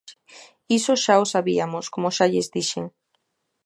Iso xa o sabiamos, como xa lles dixen.